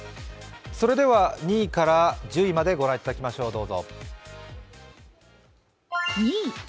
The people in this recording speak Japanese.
それでは２位から１０位まで御覧いただきましょう。